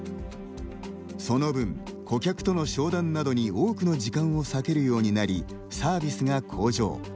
その分、顧客との商談などに多くの時間を割けるようになりサービスが向上。